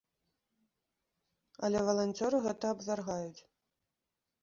Але валанцёры гэта абвяргаюць.